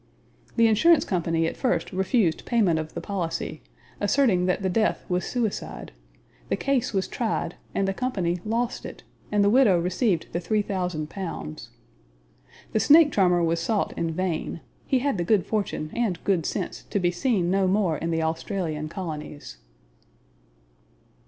The insurance company at first refused payment of the policy, asserting that the death was suicide; the case was tried and the company lost it, and the widow received the three thousand pounds. The snake charmer was sought in vain; he had the good fortune and good sense to be seen no more in the Australian colonies.